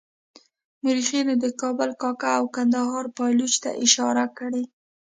مورخینو د کابل کاکه او کندهار پایلوچ ته اشاره کړې.